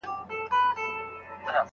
د ميرمني په مړينه کي څوک زيات ميراث وړي؟